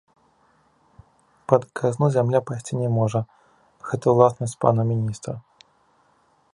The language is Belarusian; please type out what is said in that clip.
Пад казну зямля пайсці не можа, гэта ўласнасць пана міністра.